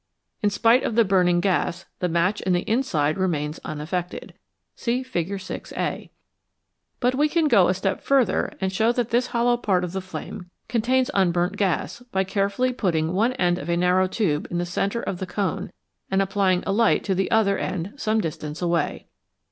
In spite of the burning gas the match in the inside remains unaffected (see Fig. 6, a). But we can go a step further and show that this hollow part of the flame contains unburnt gas by carefully putting one end of a narrow tube in the centre of the cone and applying a light to the other end some distance away.